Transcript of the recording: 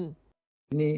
ini saran saja